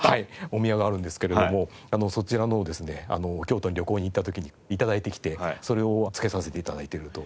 お宮があるんですけれどもそちらのをですね京都に旅行に行った時に頂いてきてそれをつけさせて頂いていると。